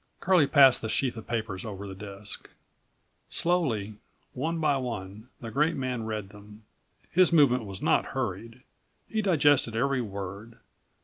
Curlie passed the sheath of papers over the desk. Slowly, one by one, the great man read them. His movement was not hurried. He digested every word.